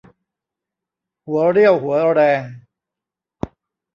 หัวเรี่ยวหัวแรง